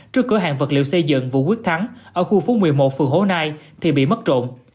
trước cửa hàng vật liệu xây dựng vũ quyết thắng ở khu phố một mươi một phường hố nai thì bị mất trộm